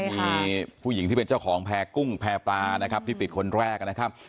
มีผู้หญิงที่เป็นเจ้าของแพร่กุ้งแพร่ปลานะครับที่ติดคนแรกนะครับ